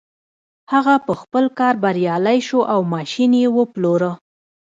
هغه په خپل کار بريالی شو او ماشين يې وپلوره.